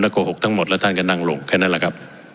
โกหกทั้งหมดแล้วท่านก็นั่งลงแค่นั้นแหละครับ